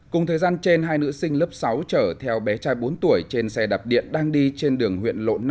cùng thời gian trên hai nữ sinh lớp sáu chở theo bé trai bốn tuổi trên xe đạp điện đang đi trên đường huyện lộ năm